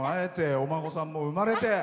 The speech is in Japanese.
お孫さんも産まれて。